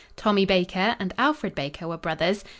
Tommy Baker and Alfred Baker were brothers.